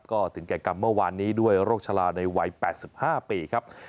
ก็ถึงแก่กรรมเมื่อวานนี้ด้วยโรคชะลาในวัย๘๕ปีครับ